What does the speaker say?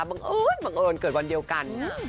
บังเอิญบังเอิญเกิดวันเดียวกัน